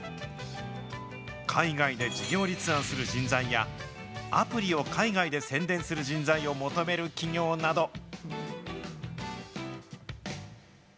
海外で事業立案する人材や、アプリを海外で宣伝する人材を求める企業など。